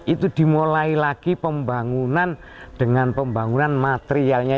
itu dimulai lagi pembangunan dengan pembangunan materialnya